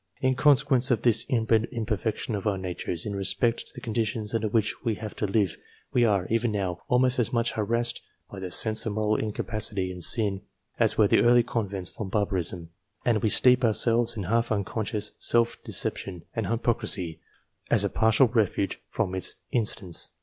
In consequence of this inbred imperfection of our natures, in respect to the condi tions under which we have to live, we are, even now, almost as much harassed by the sense of moral incapacity and sin, as were the early converts from barbarism, and we steep our selves in half unconscious self deception and hypocrisy, as a partial refuge from its insistance.